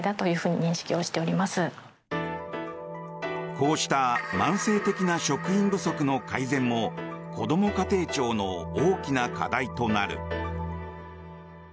こうした慢性的な職員不足の改善もこども家庭庁の大きな課題となる。